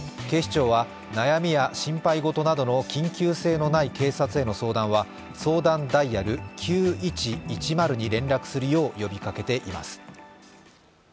警視庁は悩みや心配事などの緊急性のない警察への相談は相談ダイヤル＃９１１０に連絡するよう呼びかけています。